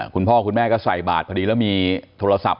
คุณพ่อคุณแม่ก็ใส่บาทพอดีแล้วมีโทรศัพท์